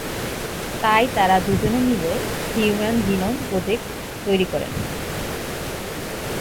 তাই তারা দুজনে মিলে 'হিউম্যান জিনোম প্রজেক্ট' তৈরি করেন।